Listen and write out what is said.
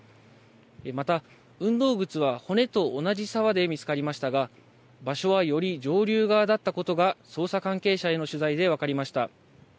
また、運動靴は骨と同じ沢で見つかりましたが、場所はより上流側だったことが捜査関係者への取材で分かりました。